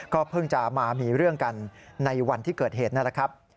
เพิ่งจะมามีเรื่องกันในวันที่เกิดเหตุนั่นแหละครับ